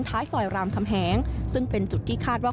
ท้ายซอยรามคำแหงซึ่งเป็นจุดที่คาดว่า